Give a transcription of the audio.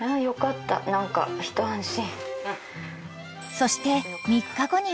［そして］